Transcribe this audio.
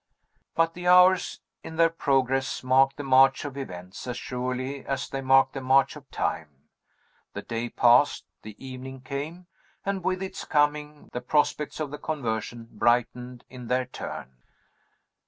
But the hours, in their progress, mark the march of events as surely as they mark the march of time. The day passed, the evening came and, with its coming, the prospects of the conversion brightened in their turn.